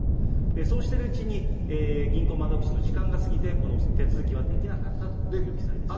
そうしてるうちに、銀行窓口の時間が過ぎて、この手続きはできなかったという記載です。